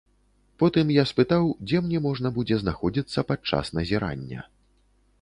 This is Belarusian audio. Потым я спытаў, дзе мне можна будзе знаходзіцца падчас назірання.